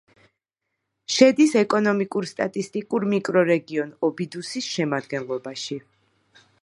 შედის ეკონომიკურ-სტატისტიკურ მიკრორეგიონ ობიდუსის შემადგენლობაში.